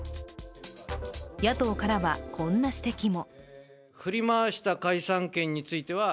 野党からは、こんな指摘も。